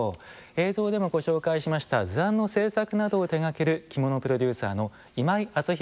映像でもご紹介しました図案の製作などを手がける着物プロデューサーの今井淳裕さんです。